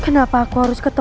kenapa aku harus ketemu